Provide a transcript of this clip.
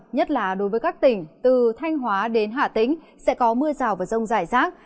nhất là đối với các tỉnh từ thanh hóa đến hà tĩnh sẽ có mưa rào và rông rải rác